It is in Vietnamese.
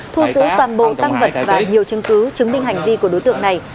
thu giữ toàn bộ tăng vật và nhiều chứng cứ chứng minh hành vi của đối tượng này